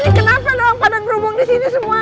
terus kenapa ada orang padan berhubung di sini semua